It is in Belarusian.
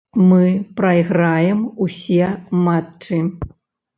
Мы прайграем усе матчы.